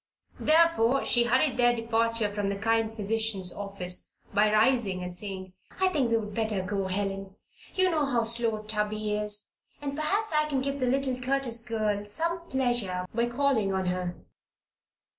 Therefore she hurried their departure from the kind physician's office, by rising and saying: "I think we would better go, Helen. You know how slow Tubby is, and perhaps I can give the little Curtis girl some pleasure by calling on her."